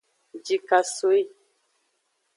Jikasoi.